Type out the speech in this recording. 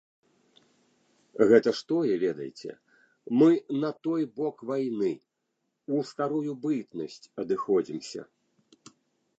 Гэта ж тое ведайце, мы на той бок вайны, у старую бытнасць адыходзімся.